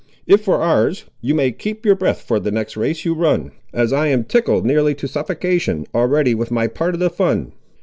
If for ours, you may keep your breath for the next race you run, as I am tickled nearly to suffocation, already, with my part of the fun."